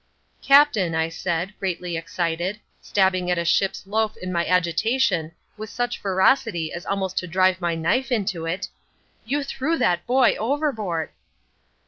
"Captain," I said, greatly excited, stabbing at a ship's loaf in my agitation with such ferocity as almost to drive my knife into it— "You threw that boy overboard!"